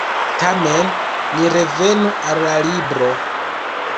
Tamen ni revenu al la libro.